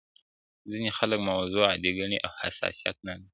• ځيني خلک موضوع عادي ګڼي او حساسيت نه لري..